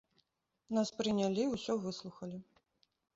Нас прынялі, усё выслухалі.